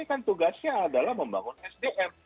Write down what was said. ini kan tugasnya adalah membangun sdm